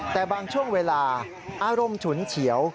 แต่บางช่วงเวลาอารมณ์ฉุนเฉียว